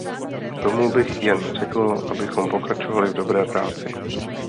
K tomu bych jen řekl, abychom pokračovali v dobré práci.